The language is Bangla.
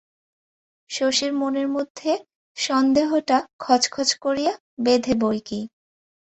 শশীর মনের মধ্যে সন্দেহটা খচখচ করিয়া বেঁধে বৈকি।